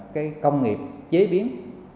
công nghiệp chế biến